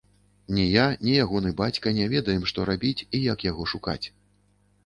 Ні я, ні ягоны бацька не ведаем, што рабіць і як яго шукаць.